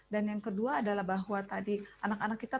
dan yang kedua adalah bahwa tadi anak anak kita